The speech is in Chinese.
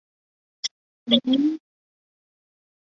非洲北部和中东国家则大多使用羊尾的脂肪和酥油。